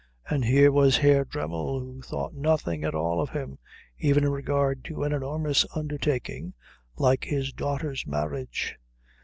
And here was Herr Dremmel who thought nothing at all of him, even in regard to an enormous undertaking like his daughter's marriage.